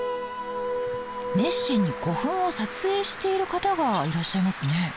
熱心に古墳を撮影している方がいらっしゃいますね。